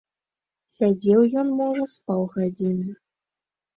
Сядзеў ён, можа, з паўгадзіны.